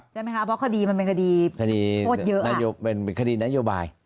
ใช่ไหมคะเพราะคดีมันเป็นคดีโทษเยอะเป็นคดีนโยบาย